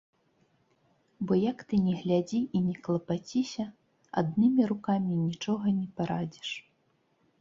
Бо як ты ні глядзі і ні клапаціся, аднымі рукамі нічога не парадзіш.